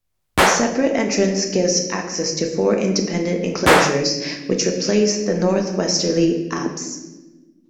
A separate entrance gives access to four independent enclosures which replace the north-westerly apse.